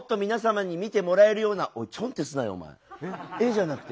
じゃなくて。